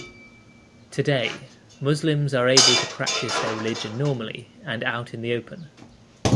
Today, Muslims are able to practice their religion normally and out in the open.